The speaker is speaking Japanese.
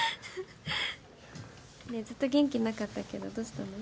ねえずっと元気なかったけどどうしたの？